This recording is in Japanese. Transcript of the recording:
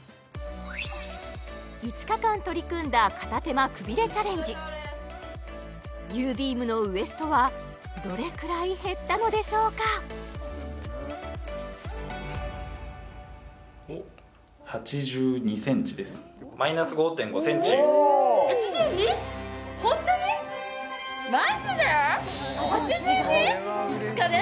５日間取り組んだ片手間くびれチャレンジゆーびーむ☆のウエストはどれくらい減ったのでしょうかマジで８２５日で？